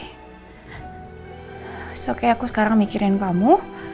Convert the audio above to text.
it's okay aku sekarang mikirin kamu